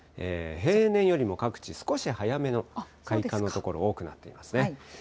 平年よりも各地、少し早めの開花の所、多くなっていますね。